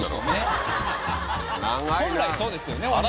そうですよね。